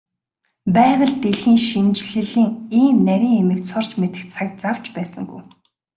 Байгаль дэлхийн шинжлэлийн ийм нарийн юмыг сурч мэдэх цаг зав ч байсангүй.